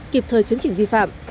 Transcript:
kịp thời chấn chỉnh vi phạm